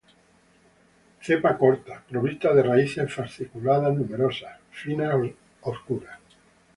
Cepa corta, provista de raíces fasciculadas numerosas, finas, obscuras.